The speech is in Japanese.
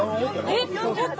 えっ！